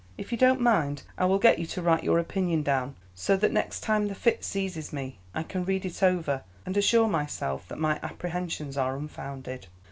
If you don't mind, I will get you to write your opinion down, so that next time the fit seizes me I can read it over, and assure myself that my apprehensions are unfounded."